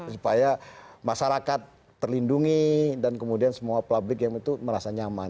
supaya masyarakat terlindungi dan kemudian semua publik yang itu merasa nyaman